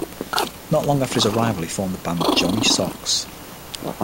Not long after his arrival he formed the band Johnny Sox.